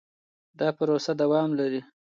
دا پروسه دوام لري.